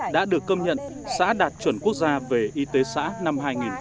đã được câm nhận xã đạt chuẩn quốc gia về y tế xã năm hai nghìn năm